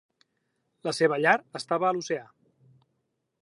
La seva llar estava a l'oceà.